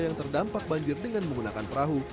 yang terdampak banjir dengan menggunakan perahu